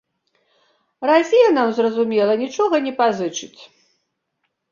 Расія нам, зразумела, нічога не пазычыць.